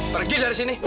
pergi dari sini